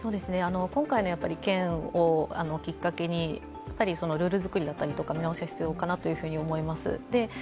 今回の件をきっかけにルールづくりだったりとか見直しが必要かなと思います。